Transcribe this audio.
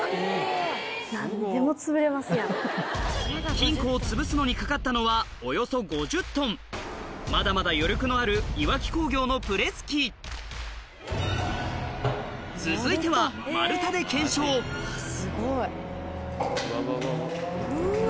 金庫を潰すのにかかったのはおよそ５０ｔまだまだ余力のある岩城工業のプレス機続いては丸太で検証うわうわ。